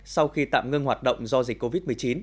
sau khi tạm ngưng hoạt động do dịch covid một mươi chín